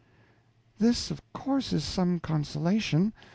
This, of course, is some consolation.